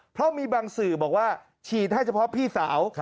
เพราะมีบางสื่อบอกว่าฉีดให้เฉพาะพี่สาว